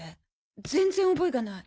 全然覚えがない。